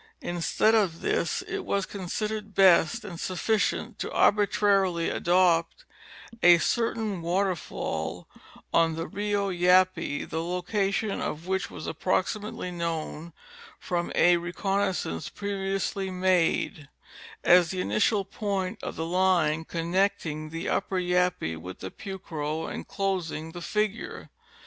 Instead of this it was considered best and sufiicient to arbitra rily adopt a certain waterfall on the Rio Yape, the location of which was approximately known from a reconnoisance previously made, as the initial point of the line connecting the upper Yape with the Pucro and closing the figure.